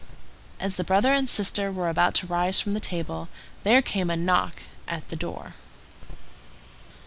As the brother and sister were about to rise from the table, there came a knock at the door.